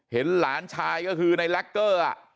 เห็นหลานชายก็คือในแล็กเกอร์